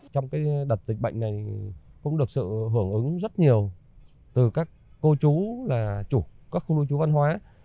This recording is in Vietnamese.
trong đợt dịch bệnh này cũng được sự hưởng ứng rất nhiều từ các cô chú là chủ các khu lưu trú văn hóa